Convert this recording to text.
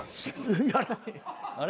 あれ？